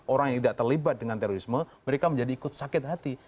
orang yang tidak terlibat dengan terorisme mereka menjadi ikut sakit hati